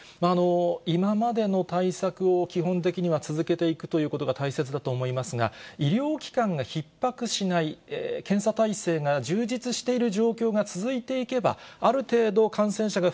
今までの対策を基本的には続けていくということが大切だと思いますが、医療機関がひっ迫しない、検査体制が充実している状況が続いていけば、ある程度、感染者が